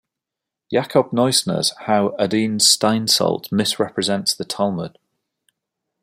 Jacob Neusner's How Adin Steinsaltz Misrepresents the Talmud.